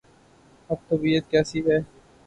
اب طبیعت کیسی ہے؟